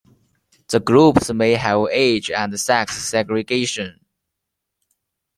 The groups may have age and sex segregation.